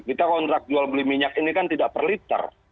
kita kontrak jual beli minyak ini kan tidak per liter